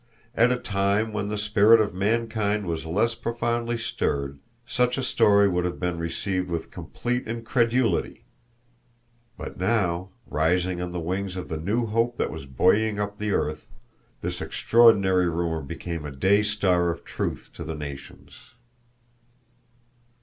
At a time when the spirit of mankind was less profoundly stirred, such a story would have been received with complete incredulity, but now, rising on the wings of the new hope that was buoying up the earth, this extraordinary rumor became a day star of truth to the nations.